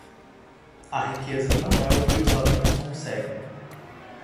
A riqueza não é o que os ladrões conseguem.